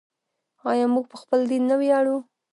آیا موږ په خپل دین نه ویاړو؟